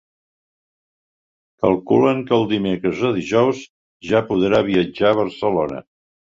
Calculen que el dimecres o dijous ja podrà viatjar a Barcelona